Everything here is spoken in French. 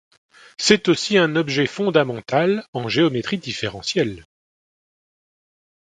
C'est aussi un objet fondamental en géométrie différentielle.